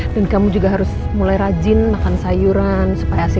dan kamu juga harus mulai rajin figuren supaya akan melancar nanti besakpre masky cambi